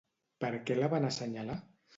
Per què la van assenyalar?